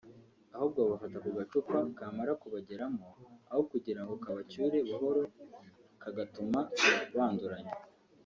ahubwo bafata ku gacupa kamara kubageramo aho kugirango kabacyure buhoro kagatuma banduranya